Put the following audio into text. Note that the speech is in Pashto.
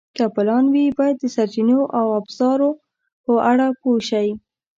که پلان وي، باید د سرچینو او ابزارو په اړه پوه شئ.